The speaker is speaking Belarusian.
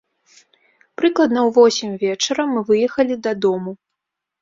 Прыкладна ў восем вечара мы выехалі дадому.